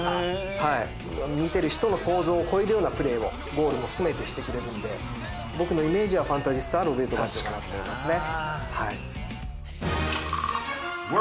見てる人の想像を超えるようなプレーをゴールも含めてしてくれるんで僕のイメージはファンタジスタはロベルト・バッジオかなと思いますね。